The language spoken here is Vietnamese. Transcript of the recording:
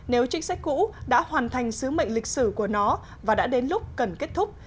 nếu chính sách cũ đã hoàn thành sứ mệnh lịch sử của nó và đã đến lúc cần kết thúc